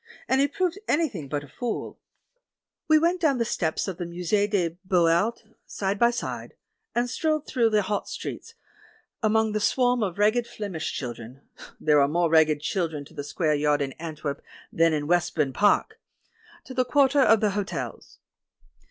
And he proved anything but a fool. THE WOMAN WHO WISHED TO DIE 37 We went down the steps of the Musee des Beaux Arts side by side, and strolled through the hot streets, among the swarm of ragged Flemish children — there are more ragged children to the square yard in Antwerp than in Westbourne Park — to the quarter of the hotels.